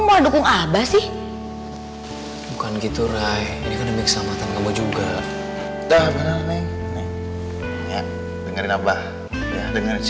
mau dukung apa sih bukan gitu ray ini kan lebih selamat sama kamu juga dengerin apa dengerin si